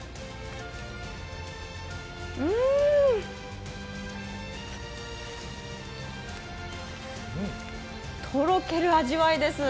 うん、とろける味わいです。